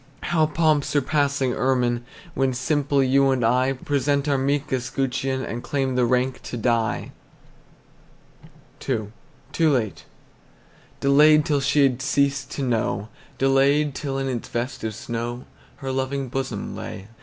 How pomp surpassing ermine, When simple you and I Present our meek escutcheon, And claim the rank to die! II. TOO LATE. Delayed till she had ceased to know, Delayed till in its vest of snow Her loving bosom lay.